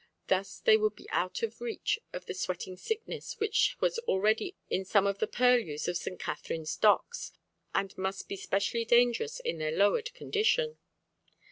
Thus they would be out of reach of the sweating sickness which was already in some of the purlieus of St. Katharine's Docks, and must be specially dangerous in their lowered condition.